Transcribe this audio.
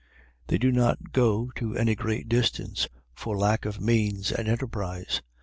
They do not go to any great distance, for lack of means and enterprise.